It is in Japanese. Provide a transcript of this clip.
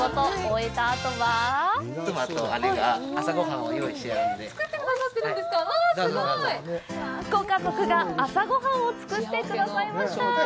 わあ、すごい！ご家族が朝ごはんを作ってくださいました。